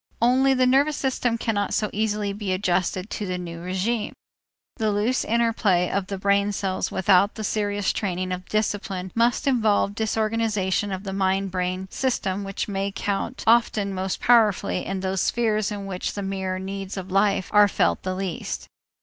Only the nervous system cannot so easily be adjusted to the new régime. The loose interplay of the brain cells without the serious training of discipline must involve disorganization of the mind brain system which may count often most powerfully in those spheres in which the mere needs of life are felt the least.